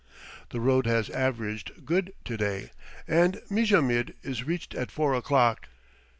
The road has averaged good to day, and Mijamid is reached at four o'clock.